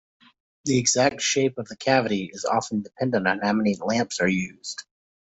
The exact shape of the cavity is often dependent on how many lamps are used.